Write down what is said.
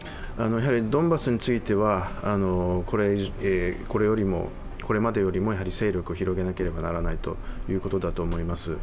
ドンバスについては、これまでよりも勢力を広げなければならないということだと思います。